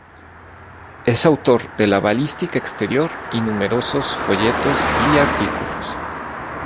Es autor de la Balística Exterior y numerosos folletos y artículos.